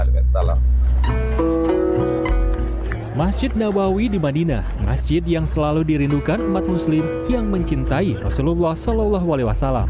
masjid nabawi di madinah masjid yang selalu dirindukan umat muslim yang mencintai rasulullah saw